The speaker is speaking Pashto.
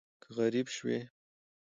که غریب شوې